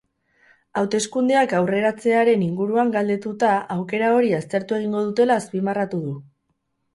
Hauteskundeak aurreratzearen inguruan galdetuta, aukera hori aztertu egingo dutela azpimarratu du.